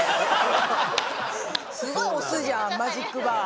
すごい推すじゃんマジックバー。